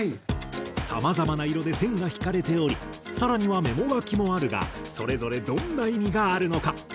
さまざまな色で線が引かれており更にはメモ書きもあるがそれぞれどんな意味があるのか？